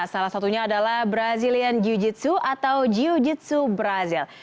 salah satunya adalah brazilian jiu jitsu atau jiu jitsu brazil